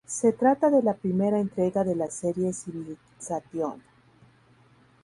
Se trata de la primera entrega de la serie "Civilization".